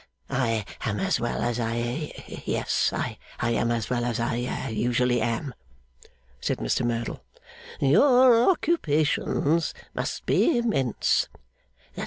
'I am as well as I yes, I am as well as I usually am,' said Mr Merdle. 'Your occupations must be immense.